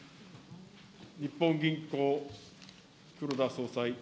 日本銀行、黒田総裁。